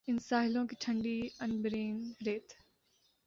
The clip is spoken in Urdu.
ان ساحلوں کی ٹھنڈی عنبرین ریت